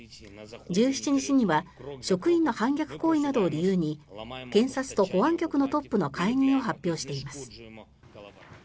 １７日には職員の反逆行為などを理由に検察と保安局のトップの解任を発表しています。